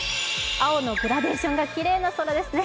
青のグラデーションがきれいな空ですね。